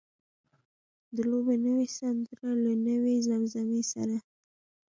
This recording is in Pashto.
د لوبې نوې سندره له نوې زمزمې سره.